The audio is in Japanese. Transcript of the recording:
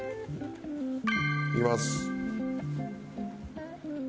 いきます。